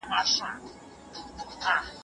که زاویه نما وي نو کونج نه غلطیږي.